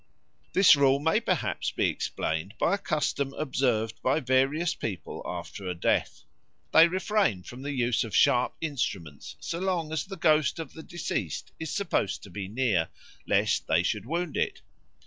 This rule may perhaps be explained by a custom observed by various peoples after a death; they refrain from the use of sharp instruments so long as the ghost of the deceased is supposed to be near, lest they should wound it.